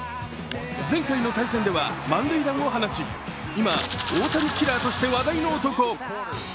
前回の対戦では満塁弾を放ち今、大谷キラーとして話題の男。